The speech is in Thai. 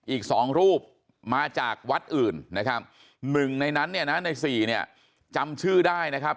อีกสองรูปมาจากวัดอื่นนะครับหนึ่งในนั้นเนี่ยนะในสี่เนี่ยจำชื่อได้นะครับ